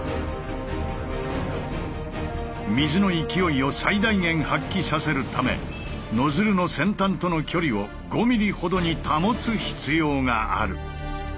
水の勢いを最大限発揮させるためノズルの先端との距離を５ｍｍほどに保つ必要がある。